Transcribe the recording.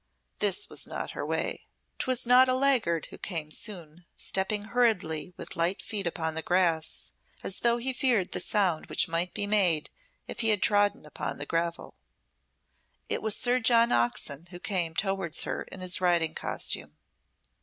This was not her way. 'Twas not a laggard who came soon, stepping hurriedly with light feet upon the grass, as though he feared the sound which might be made if he had trodden upon the gravel. It was Sir John Oxon who came towards her in his riding costume.